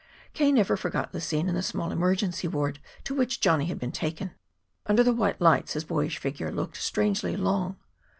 K. never forgot the scene in the small emergency ward to which Johnny had been taken. Under the white lights his boyish figure looked strangely long.